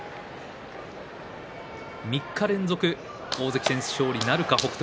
３日連続、大関戦勝利なるか北勝